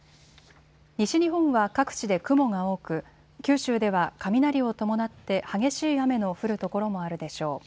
西日本は各地で雲が多く九州では雷を伴って激しい雨の降る所もあるでしょう。